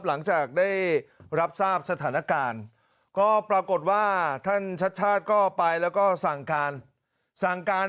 หลังจากได้รับทราบสถานการณ์ก็ปรากฏว่าท่านชัดชาติก็ไปแล้วก็สั่งการสั่งการ